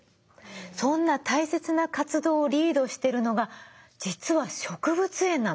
そんな大切な活動をリードしてるのが実は植物園なの。